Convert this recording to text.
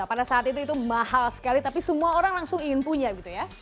pada saat itu itu mahal sekali tapi semua orang langsung ingin punya gitu ya